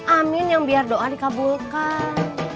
amin yang biar doa dikabulkan